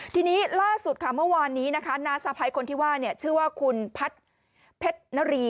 ทีนี้ล่าสุดค่ะเมื่อวานนี้นะคะน้าสะพ้ายคนที่ว่าชื่อว่าคุณพัฒน์เพชรนรี